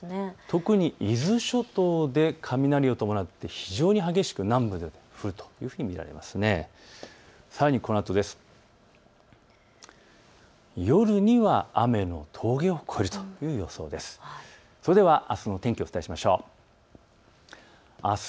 特に伊豆諸島で雷を伴って非常に激しく降るというふうに見られます。